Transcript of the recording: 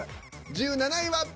１７位は。